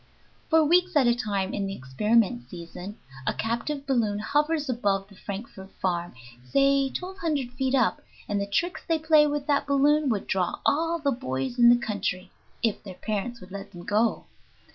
For weeks at a time in the experiment season a captive balloon hovers above the Frankfort farm, say twelve hundred feet up, and the tricks they play with that balloon would draw all the boys in the country, if their parents would let them go.